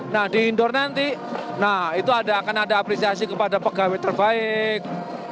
nah di indoor nanti nah itu akan ada apresiasi kepada pegawai terbaik